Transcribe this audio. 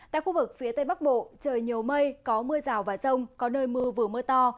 tại khu vực phía tây bắc bộ trời nhiều mây có mưa rào và rông có nơi mưa vừa mưa to